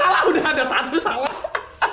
salah udah ada satu salah